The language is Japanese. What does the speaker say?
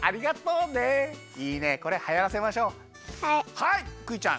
はいクイちゃん。